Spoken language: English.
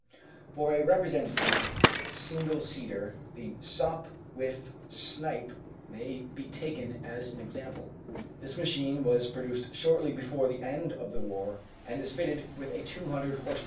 For a representative single seater the Sopwith "Snipe" may be taken as an example. This machine was produced shortly before the end of the war and is fitted with a 200 h.p.